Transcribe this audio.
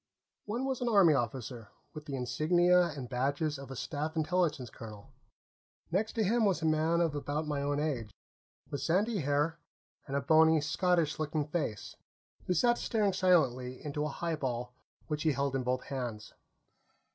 One was an Army officer, with the insignia and badges of a Staff Intelligence colonel. Next to him was a man of about my own age, with sandy hair and a bony, Scottish looking face, who sat staring silently into a highball which he held in both hands.